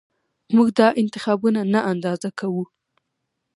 موږ دا انتخابونه نه اندازه کوو